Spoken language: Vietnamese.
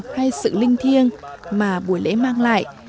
hay sự linh thiêng mà buổi lễ mang lại